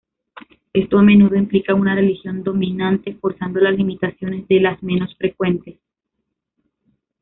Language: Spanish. Esto a menudo implica una religión dominante forzando las limitaciones de las menos frecuentes.